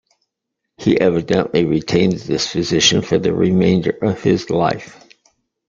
He evidently retains this position for the remainder of his life.